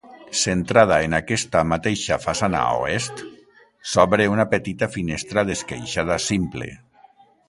Centrada en aquesta mateixa façana oest, s'obre una petita finestra d'esqueixada simple.